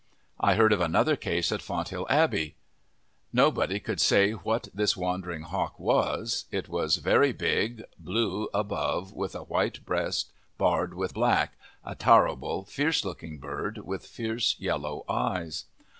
I heard of another case at Fonthill Abbey. Nobody could say what this wandering hawk was it was very big, blue above with a white breast barred with black a "tarrable" fierce looking bird with fierce, yellow eyes.